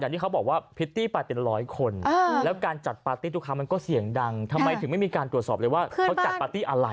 ที่เขาบอกว่าพริตตี้ไปเป็นร้อยคนแล้วการจัดปาร์ตี้ทุกครั้งมันก็เสียงดังทำไมถึงไม่มีการตรวจสอบเลยว่าเขาจัดปาร์ตี้อะไร